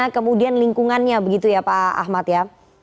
kemudian lingkungannya begitu ya pak ahmad ya